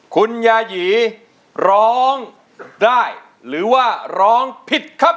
คุณยายีร้องได้หรือว่าร้องผิดครับ